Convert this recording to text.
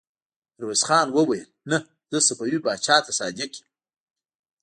ميرويس خان وويل: نه! زه صفوي پاچا ته صادق يم.